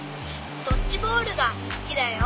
ドッジボールがすきだよ。